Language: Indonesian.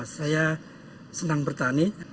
saya senang bertani